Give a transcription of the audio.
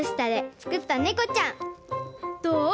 どう？